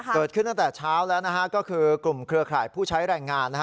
เกิดขึ้นตั้งแต่เช้าแล้วนะฮะก็คือกลุ่มเครือข่ายผู้ใช้แรงงานนะฮะ